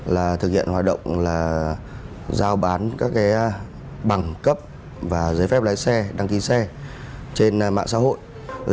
là thực hiện hoạt động là giao bán các cái bằng cấp và giấy phép lái xe đăng ký xe trên mạng xã hội